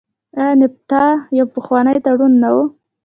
آیا نفټا یو پخوانی تړون نه و؟